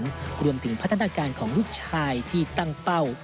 การแข่งขันรวมถึงพัฒนาการของลูกชายที่ตั้งเป้า